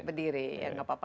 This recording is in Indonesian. berdiri ya nggak apa apa